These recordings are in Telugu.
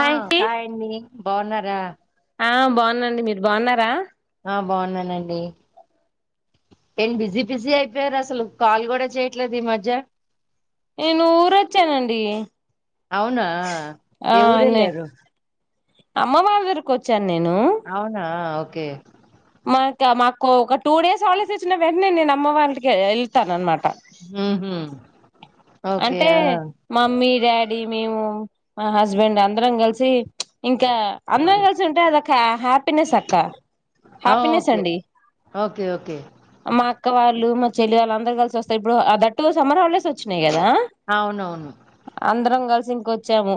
ఆ హాయ్ అండి బావున్నారా ఆ బాగున్న అండి మీరు బాగున్నారా ఆ బాగున్నానండి ఏం బిజీ పిజీ అయిపోయారు అసలు కాల్ కూడా చేయట్లేదు ఈ మధ్య నేను ఊరోచ్చానండి అవునా ఆ ఏ ఊరు అన్న వెళ్ళారు అమ్మ వాళ్ళ ఊరికి వచ్చాను నేను అవునా ఓకే మాకా మాకు ఒక టూ డేస్ హాలిడేస్ ఇచ్చిన వెంటనే నేను అమ్మ వాళ్ళ ఇంటికి వెళ్తానన్నఅనమాట హు హ్మ్ అంటే మమ్మీ డా డీ మేము మా హస్బెండ్ అందరం కల్ చి ఇంకా అందరం కలిసి ఉంటే అదొక హ్యా హ్యాపీనెస్ అక్క ఆ, హ్యాపీనెస్ ఓకే అండి ఓకే ఓకే మా అక్క వాళ్ళు మా చెల్లి వాళ్ళందరు కలిసొస్తే ఇప్పుడు ఆ దట్ సమ్మర్ హాలిడేస్ వాళ్లే వచ్చి న్నాయ కదా అవునవును అందరం కలిసి ఇంకొచ్చాము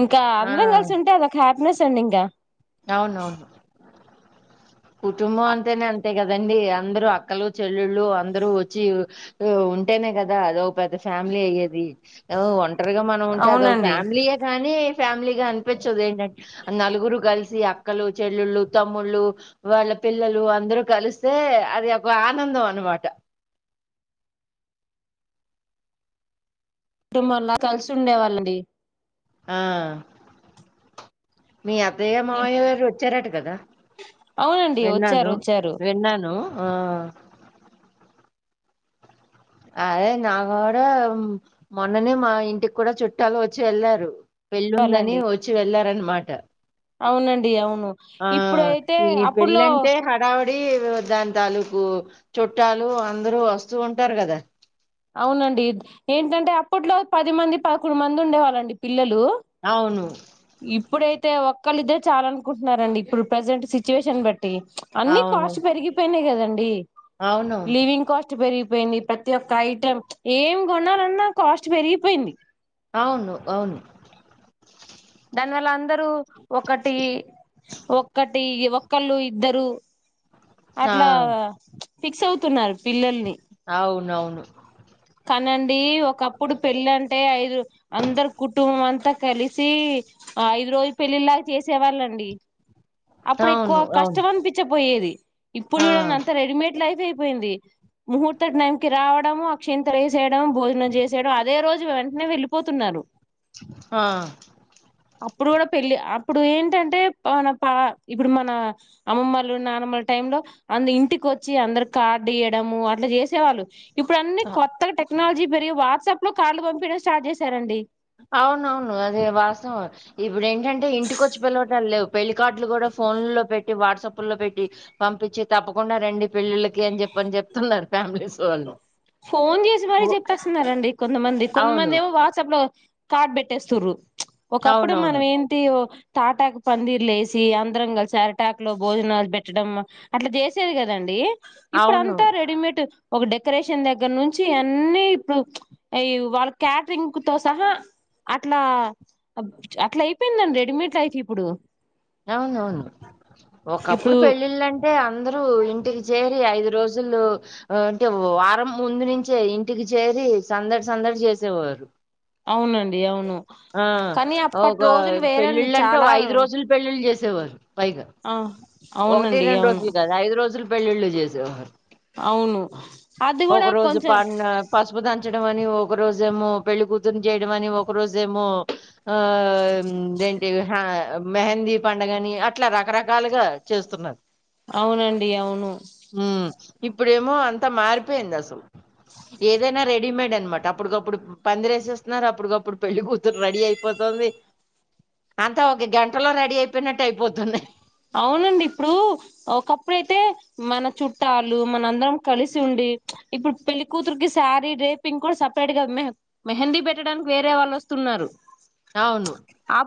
ఇంకా ఆ అందరం కలిసి ఉంటే అద ఒక హ్యాపీనెస్ సన్నీంగ అవును అవును కుటుంబం అంటేనే అంతే కదండి అందరుూ అక్కలు చెల్లళ్ళు అందరూ వచ్చి ఉంటేనే కదా అదో పెద్ద ఫ్యామిలీ అయ్యేది. టరు గా మనం ఉంటే అదో అవునండి ఫ్యామిలీ యేగాని ఫ్యామిలీగానిపించదు ఏంటంటే, నలుగురు కల్స్ తీ అక్కలు, చెల్లెళ్ళు, తమ్ముళ్ళు వాళ్ళ పిల్లలు అందరూ కలిస్తే అది ఒక ఆనందం అనమాట. కుటుంబంలో కలిసి ఉండేవాళ్ళండి ఆ మీ అత్తయ్య మామయ్య గారు వచ్చారట కదా అవునండి వచ్చారు విన్నాను వచ్చారు విన్నాను ఆ అదే నా కూడా మొన్ననే మా ఇంటికి కూడా చుట్టాలు వచ్చి వెళ్ళారు పెళ్ళుందని వాళ్ళండి వచ్చి వెళ్ళారన్నమా మాట అవునండి అవును ఆ ఇప్పుడైతే ఈ అప్పుట్లో పెళ్ళంటే హడావ అడి దాని తాలూకు చుట్టాలు అందరూ వస్తూ ఉంటారు కదా అవునండి ఏంటంటే అప్పట్లో పది మంది పదకొండు మంది ఉండేవాళ్ళండి పిల్లలు అవును ఇప్పుడైతే టె ఒక్కళ్ళ ఇద్దరు చాలనుకుంటున్నారండి ఇప్పుడు పప్రజెంట్ సిచువేషన్ బట్టి అన్ని అవును కాస్ట్ పెరిగిపోయినాయి కదండి అవునవును లివింగ్ కాస్ట్ పెరిగి పోయింది ప్రతి ఒక్కయి ఏం కొనాలన్నా కాస్ట్ పెరిగిపోయింది అవును అవును దానివల్ల అందరూ ఒకటి ఒక్కటి ఒక్ ఒక్కళ్ళు ఇద్దరు ఆ అట్లా ఫిక్స్ అవుతున్నారు పిల్లల్ని అవునవును కనన్ ది ఒకప్పుడు పెళ్ళి అంటే ఐదు అందరు కుటుంబం అంతా త కలిసి ఆ ఐదు రోజు పెళ్ళిళ్ళలాగా చేసే వాళ్ళండి. అప్పుడు ఎక్కువ అవును అవును కష్టం అనిపించకపోయేది ఇప్పుడు ఆ చూడండి అంత రెడీమేడ్ లైఫ్ అయి పోయింది ముహూర్తం టైంకి రావడం అక్షింతలు ఎసేయడం భోజనం చేసేయడం అదే రోజు వచ్చిన వెంటనే వెళ్ళిపోతున్నారు. ఆ అప్పుడు కూడా పెళ్ళి అప్పుడు ఏంటంటే మన పా ఇప్పుడు మన అమ్మమ్మలు నానమ్మల టైంలో అందరు ఇంటికి వచ్చి అందరు కార్డు ఇయడము అట్లా చేసేవాళ్ళు ఇప్పుడు అన్ని ఆ! కొత్తగా టెక్నాలజీ మరి వాట్సాప్ లో కార్డ్లు పంపియడం స్టార్ట్ చేశారండి. ఆ ఏ ఇప్పుడు ఏంటంటే ఇంటికొచ్చి పిలవటాలు లేవు పెళ్లి కార్డులు కూడా ఫోన్ లో పెట్టి వాట్సాప్ లో పెట్టి పంపించి తప్పకుండా రండి పెళ్ళిళ్లకి అని చెప్పని చెప్తున్నారు. ఫోన్ చేసి ఓ మరి చెప్పేస్తున్నారండి కొంతమంది అవును. కొంతమంది ఏమో వాట్సాప్ లో కార్డ్ పెట్టేస్తుర్రు ఒకప్పుడు మనం అవునవును. ఏంటి ఓ తాటాక్ పందిర్లు వేసి అందరం కలిసి అరిటాక్ లో భోజనాలు పెట్టడం అట్లా చేసేది కదండి. ఇప్పుడు అవును. అంతా రెడీమేట్ ఒక డెకరేషన్ దగ్గర నుంచి అన్నీ ఇప్పుడు ఈ వాళ్ళ క్యాటరింగ్ తో సహా అట్లా అట్లా అయిపోయిందండి రెడీమేడ్ లైఫ్ ఇప్పుడు అవునవును ఒకప్పుడు ఇప్పుడు పెళ్ళిళ్ళంటే అందరు అందరు ఇంటికి చేరి ఐదు రోజులు అంటే వారం ముందు నుంచే ఇంటికి చేరి సందడి సందడి చేసేవారు. అవునండి అవును ఆ కానీ అప్పటి ఒక రోజులు వేరండి పెళ్ళిళ్ళంటే చాలా ఐదు రోజులు పెళ్లిళ్లు చేస్త చేసేవారు. పైగా ఆ ఒకటి అవునండి రెండు అవును రోజులు కాదు ఐదు రోజులు పెళ్ళిళ్ళు చేసేవారు అవును అది ఒక కూడా రోజు ప కొంచెం పసుపు దంచడం అని ఒక రోజేమో పెళ్లి కూతురుని చేయడం అని ఒక రోజు రోజేమో ఆ అదేంటీ హ మెహందీ పండుగని అట్లా రకరకాల రకాలుగా చేస్తున్నారు అవునండి అవును ఉమ్ ఇప్పుడేమో అంత మారిపోయింది అసలు ఏదైనా రెడీమేడ్ అనమాట అప్పటికప్పుడు పందిరేసేస్తున్నారు అప్పటికప్పుడు పెళ్లి కూతురు రెడీ అయిపోతుంది అంతా ఒక గంటలో రెడీ అయిపోయినట్టు అయిపోతున్నాయి అవునండి ఇప్పుడు ఒకప్పుడైతే మన చుట్టాలు మన అందరం కలిసి ఉండి ఇప్పుడు పెళ్లి కూతురికి శారీ డ్రేపింగ్ కూడా సపరేట్ గా మెహ మెహందీ పెట్టడానికి వేరే వాళ్ళు వస్తున్నారు అవును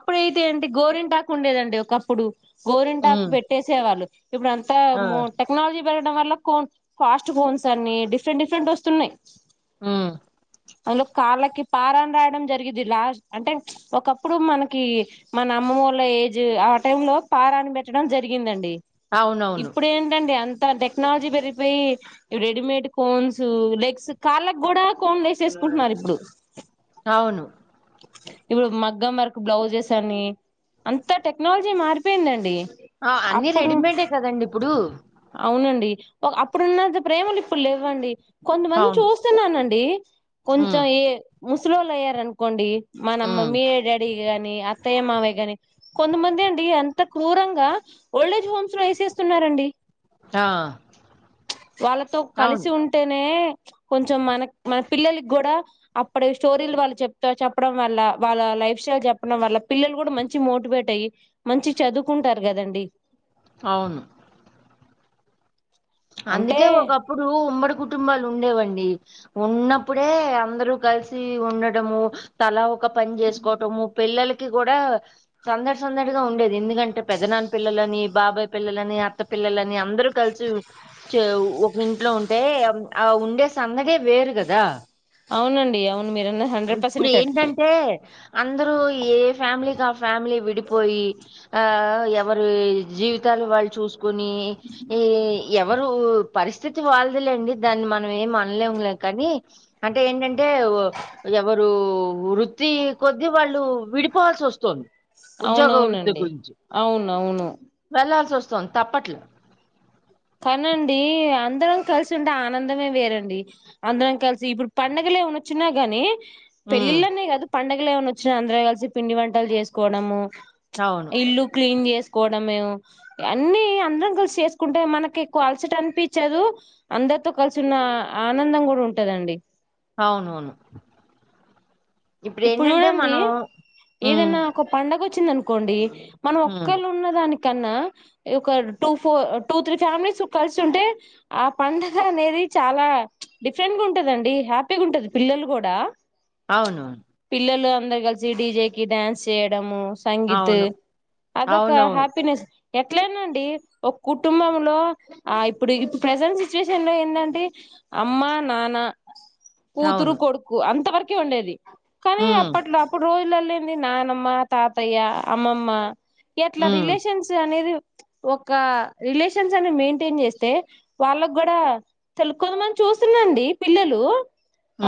అప్పుడు అయితే ఏంటి గోరింటాకు ఉండేదండి ఒకప్పుడు గోరింటాకు ఉమ్. పెట్టేసేవాళ్ళు ఇప్పుడు అంతా ఆ. మో టెక్నాలజీ పెరగడం వల్ల కోన్ ఫాస్ట్ కోన్స్ అనీ డిఫరెంట్ డిఫరెంట్ వస్తున్నాయి ఆ అందులో కాళ్ళకి పారాని రాయడం జరిగిది లాస్ట్ అంటే ఒకప్పుడు మనకి మన అమ్మ వాళ్ళ ఏజ్ ఆ టై లో పారాని పెట్టడం జరిగిందండి అవునవును ఇప్పుడు ఏంటండి అం త టెక్నాలజీ పెరిగిపోయి రెడీమేడ్ కోన్స్ లెగ్స్ కాళ్ళకి గుడా కోన్ వేసెస్కుంటున్నారు ఇప్పుడు అవును ఇప్పుడు మగ్గం వర్క్ బ్లౌజెస్ అని అంతా టెక్నాలజీ మారి పోయిందండి ఆ అన్నిీ రెడీమేడే కదండి ఇప్పుడు ఒ అప్పుడున్నంత ప్రేమలు ఇప్పుడు లెవ్వండి కొంతమంది అవును. చూస్తున్నానండి హ్మ్. కొంచెం ఏ ముసల్లోలు అయ్యారనుకోండి మన హ్మ్. మమ్మి యే డాడీ గాని అత్తయ్య మావయ్య గాని కొంతమంది అండి అం త క్రూరంగా ఓల్డేజ్ హోమ్స్ లో యెసేస్తున్నారండి ఆ! వాళ్ళతో అవును. కలిసి ఉంటేనే కొంచం మన మన పిల్లలకి గూడా అప్పుడ స్టోరీలు వాళ్ళు చెప్త చెప్పడం వల్ల వాళ్ళ లైఫ్ స్టైల్ చెప్పడం వల్ల పిల్లలు కూడా మంచి మోటివేట్ అయ్యి మంచి చదువుకుంటారు గదండి అవును అంటే అందుకే ఒకప్పుడు ఉమ్మడి కుటుంబాలు ఉండేవండి ఉన్నప్పుడే అందరూ గలిసి ఉండడము తలా ఒ ఒక పని చేసుకోవటం పిల్లల ఇ కూడా సందడి సందడిగా ఉండేది ఎందుకంటే పెద్దనాన్న పిల్లలని బాబాయ్ పిల్లలని అత్త పిల్లలని అందరూ కలిసి ఒక ఇంట్లో ఉంటే ఆ ఉండే సందడే వేరు కదా అవునండి అవును మీరన్న హండ్రెడ్ ఇప్పుడు పర్సెంట్ కరెక్ట్ ఏంటంటే, అందరూ ఏ ఫ్యామిలీకి ఆ ఫ్యామిలీ విడిపోయి ఆ ఎవరు జీవితాలు వాళ్ళు చూస్ కొని ఏ ఎవరూ పరిస్థితి వాళ్ళదిలెండి. దాన్ని మనం ఏమి అనలేములే కానీ అంటే ఏంటంటే ఎవరూ వృత్తి కొద్ది వాళ్ళు విడిపోవాల్సి వస్తోంది. ఉద్యోగ అవునవునండి వృద్దిగురించి అవునవును వెళ్లాల్సి వస్తు సొంతపట్ల కానండి అందరం కలిసి ఉంటే ఆనందమే వేరండి. అందరం కలిసి ఇప్పుడు పండగలు ఏమన్నా వచ్చినా గాని హ్మ్. పెళ్ళిలనే గాదు పండగ పండగలు ఏమైన వచ్చినా అందరు కలిసి పిండి వంటలు చేసుకోవడము అవును. ఇల్లు క్లీన్ చేస్ కోడమేమో అన్నీ అందరం కలిసి చేసుకుంటే మనకు ఎక్కువ అలసట అనిపించదు. అందరితో కలిసి ఉన్న ఆనందం గూడా ఉంటదండి. అవునవును ఇప్పుడు ఇప్పుడేంటంటే చూడండి మనం హ్మ్. ఏదన్నా ఒక పండగొచ్ వచ్చిందనుకోండి. మనం హ్మ్. ఒక్కళ్ళు ఉన్న దాని కన్నా ఒక two four two three families కలిసి ఉంటే ఆ పండగ అనేది చాలా డిఫరెంట్గా ఉంటదండి. హ్యాపీగా ఉంటది. పిల్లలు కూడా అవును పిల్లలు అందరు కలిసి డీజేకిి డ్యాన్స్ చేయడము సంగీత్ అవును. అదొక అవునవును. హ్యాపీనెస్ ఎట్లైనా అండి ఒక కుటుంబంలో ఆ ఇప్పుడు ఇప్పుడు ప్రజెంట్ సిచ్యుయేషన్ లో ఏంటంటే అమ్మ నాన్న కూతురు అవును. కొడుకు అంత వరకు కే ఉండేది. కానీ హ్మ్. అప్పట్లో అప్పుడు రోజు ఇల్లల్లో ఏంది నానమ్మ తాతయ్య అమ్మమ్మ అట్లా హ్మ్. రిలేషన్స్ అనేది ఒక రిలేషన్స్ అని మెయింటైన్ చేస్తే వాళ్ళకి కూడా తెలు కొంతమంది చూస్తున్నాండి పిల్లలు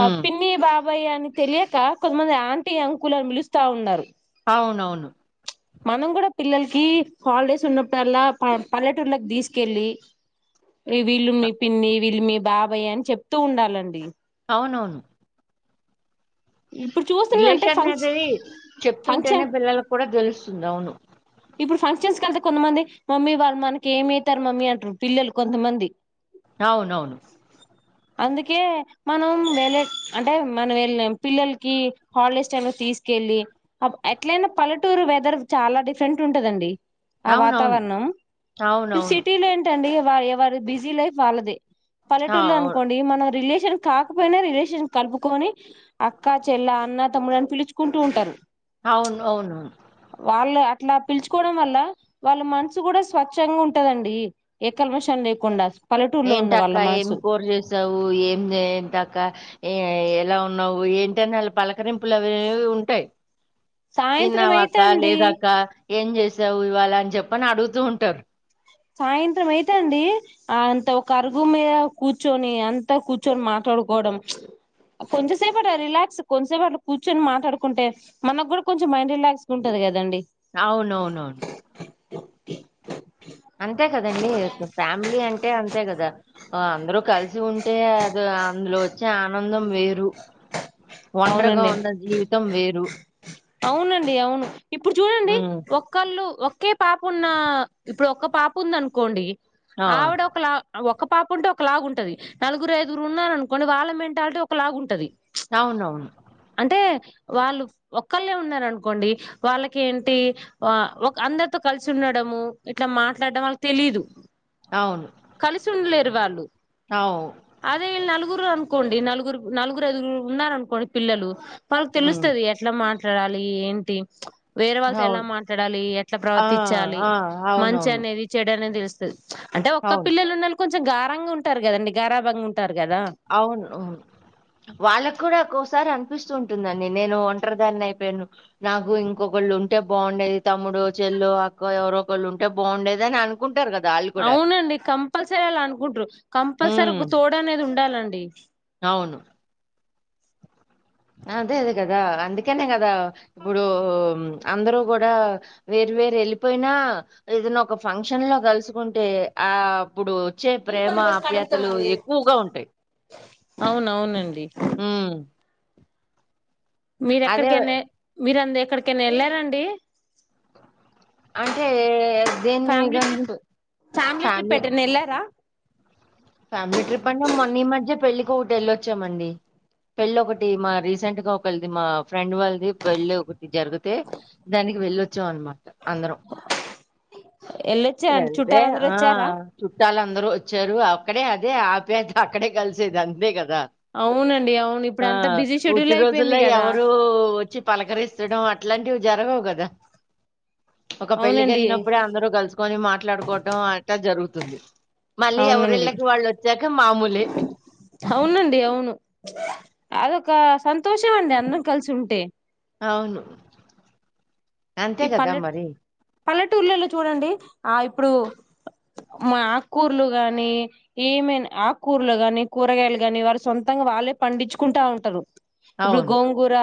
ఆ పిన్ని బా బ్బయ అని తెలియక కొంతమంది ఆంటీ అంకులని పిలుస్తా ఉన్నారు. అవునవును. మనం కూడా పిల్లలకి హాలిడేస్ ఉన్నప్పుడల్లా పై పల్లెటూర్లకి తీసుకెళ్ళి వీళ్ళు అ మీ పిన్ని వీళ్ళు మీ బాబాయ అని చెప్తూ ఉండాలండి. అవునవును ఇప్పుడు చూస్తున్నా అంటే రిలేషన్ అది ఫంక్షన్ చెప్తుంటేనే ఫంక్షన్ పిల్లలకు కూడా తెలుస్ అవును ఇప్పుడు ఫంక్షన్స్ కెళ్తే కొంతమంది మమ్మీ వాళ్ళు మనకి ఏమైతారు మమ్మీ అంటరు పిల్లలు కొంతమంది అవునవును అందుకే మనం వెళ్ళే అంటే మనం వెళ్ళిన పిల్లలకి హాలిడేస్ టైమ్ లో తీసుకెళ్ళి ఎట్లయినా పల్లెటూరు వెదర్ చాలా డిఫరెంట్ ఉంటదండి. ఆ అవునవును. వాతావరణం ఇ అవునవును. సిటీలో ఏంటండి వా ఎవర్ బిజీ లైఫ్ వాళదే ఆ! పల్లెటూర్లో అవును. అనుకోండి మనం రిలేష షన్ కాకపోయినా రిలేషన్ కలుపుకొని అక్కా చెల్ల అన్న తమ్ముని పిలుచుకుంటూ ఉంటారు అవును అవునువును ఇట్లా పిలుచుకోవడం వల్ల వాళ్ళ మనసు కూడా స్వచ్ఛంగా ఉంటందండి ఏ కల్ మషం లేకుండా పల్లెటూరు లో ఉండు "ఏంటక్క ఏం కూర్ చేసావు ఏం చేమటక్క ఏ ఎ ఎలా ఉన్నావు ఏంటని వాళ్ళ పలకరింపులు అవి ఉంటాయి్ సాయంత్రం తిన్నావాక్క అయితే అండి లేదా అక్క ఏం చేసి ఇ్వళ అని చెప్పని అడుగుతూ ఉంటారు సాయంత్రం అయితే అండి అంత ఒక అరుగు మీద కూర్చొని అంత కూర్చొని మాట్లాడుకోవడం కొంచంసేపు రిలాక్స్ కొంచసేపు అ కూర్చొని మాట్లాడుకుంటే మనకు కూడా కొంచెం మైండ్ రిలాక్స్ ఉంటది కదండి అవునవునవును ప అంటే కదండి ఫ్యామిలీ అంటే అంతే కదా ఆ అందరు కలిసి ఉంటే అదో అంద్ర చే ఆనందం వేరు ఒండరిగా అవునండి ఉన్న జీవితం వేరు అవునండి అవును ఇప్పుడు చూడండి హ్మ్. ఒక్కళ్ళు ఒకే పాప ఉన్న ఇప్పుడు ఒక పాపు ఉంద అనుకోండి ఆ! ఆవిడ ఒకలా ఒక పాప ఉంటే ఒక లాగు ఉంటది నలుగురు ఐదుగురు ఉన్నా అనుకోండి వాళ్ళ మెంటాలిటీ ఒక లాగు ఉంటది అవునవును అంటే వాళ్ళు ఒక ఒక్కలే ఉన్నారు అనుకోండి వాళ్ళకి ఏంటి ఒక అందరితో కలిసి ఉండడము ఇట్లా మాట్లాడడం వాళ్ళకి తెలీదు అవును. కలిసుండలేరు దివాళ్ళు అవు అదే నాలుగు నలుగురు అనుకోండి నలుగురు నలుగురు ఐదుగురు ఉన్నారు అనుకోండి పిల్లలు వాళ్ళకి హ్మ్. తెలుస్తది ఎట్లా మాట్లా మాట్లాడాలి ఏంటి వేరే వాళ్ళతో ఎలా అవును. మాట్లాడాలి ఎట్లా ఆ! ప్రవర్తించాలి ఆ! మంచి అవునవును. అనేది చెయడాని తెలుసు స అంటే ఒక్క అవును. పిల్లలు ఉన్న కొంచెం కొంచం గారంగా ఉంటారు కదండి గారాభంగా ఉంట అవును అవును వాళ్ళకు కూడా కోస్ ఒకసారి అనిపిస్తూ ఉంటుందండి. నేను ఒంటరి దాని అయిపోయాను. నాకు ఇంకొకళ్ళు ఉంటే బాగుండేది తమ్ముడు చెల్లు అక్క ఎవరో ఒకళ్ళు ఉంటే బాగుండేది. అని అనుకుంటారు కదా. అవునండి కంపల్సరీ అలా అనుకుంట్రూ కంపల్సరీ హ్మ్. ఒక తోడ్ అనేది ఉంట ఉండాలండి అవును అదే అది కదా అందుకనే కదా ఇప్పుడు అందరు కూడా వేరు వేరు వెళ్ళిపోయినా ఏదైనా ఒక ఫంక్షన్ లో కలుసుకుంటే ఆ ఇప్పుడు వచ్చే ప్రేమ ఆప్యాయతలు ఎక్కువగా ఉంటాయి అవునవునండి మీర అదే ఎక్కడికైనా మీరుందే ఇక్కడికేనా వెళ్ళారండి అంటే దేన్ని ఫ్యామిలీ ఇగండి ట్రిప్ ట్రిప్ ఫ్యామిలీ ఎటైనా వెళ్ళారా ఫ్యామిలీ ట్రిప్ అంట మొన్న ఈ మధ్య పెళ్లికి ఒకటి వెళ్ళొచ్చామండి. పెళ్లి ఒకటి మా రీసెంట్ గా ఒకళది. మా ఫ్రెండ్ వాళ్ళది. పెళ్లిి ఒకటి జరిగితే దానికి వెళ్ళొచ్చాం అనమాట అందరం. వెళ్ళొచ్చారండి ఎంతే చుట్టాలందరూ ఆ వచ్చారా చుట్టాలందరు వ చెరువు అక్కడే అదే ఆప్యాయత అక్కడే కలిసేది అంతే కదా అవునండి అవును ఇప్పుడు ఆ అంతా బిజీ షెడ్యూల్ పుట్టి అయిపోయింది రోజుల్లో కదా ఎవరు వచ్చి పలకరిస్తడం అట్లాంటివి జరగవు కదా దా ఒక పెళ్ళికి అవునండి వెళ్ళినప్పుడే అందరు కలుసు కొని మాట్లాడుకోవటం అంతా జరుగుతుంది మళ్ళీ అవునండి ఎవరిళ్ళకి వాళ్ళు వచ్చాక మామూలే అవునండి అవును అదొక సంత సంతోషమ అండి అందరం కలిసి ఉంటే అవును అంతే కదా మరి పల్లెటూళ్లలో చూడండి ఆ ఇప్పుడు మా ఆకుకూర్లు గానీ, ఏమైనా ఆకుకూర్లు ని కూరగాయలు గాని, వాళ్ళే సొంతంగా వాళ్ళే పండించుకుంటా ఉంటారు. ఇప్పుడు అవును గోంగూర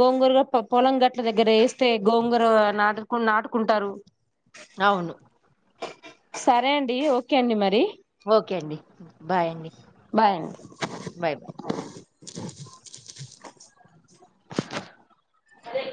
గోంగూరుగా పొలం గట్ల దగ్గర వేస్తే గోంగూర నాటుకు నాటుకుంటారు అవును సరే అండి ఓకే అండి మరి ఓకే అండి బాయ్ అండి బాయ్ అండి బాయ్ బాయ్ అదే